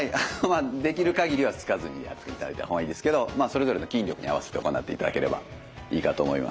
できる限りはつかずにやっていただいた方がいいんですけどまあそれぞれの筋力に合わせて行っていただければいいかと思います。